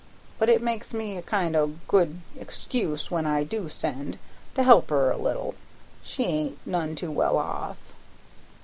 But it makes me a kind o' good excuse, when I do send, to help her a little; she ain't none too well off.